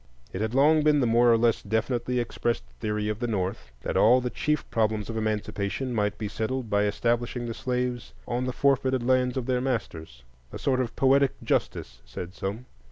It had long been the more or less definitely expressed theory of the North that all the chief problems of Emancipation might be settled by establishing the slaves on the forfeited lands of their masters,—a sort of poetic justice, said some.